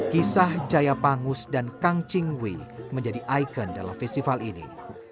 kisah jaya pangus dan kang ching wei menjadi ikon dalam festival ini